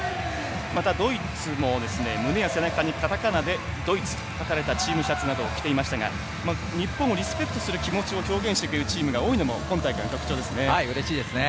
また、ドイツも胸や背中にカタカナで「ドイツ」と書かれたチームシャツなどを着ていましたが日本をリスペクトしてくれるチームが多いのも今大会の特徴ですね。